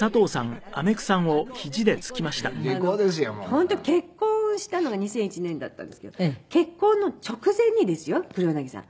本当結婚したのが２００１年だったんですけど結婚の直前にですよ黒柳さん。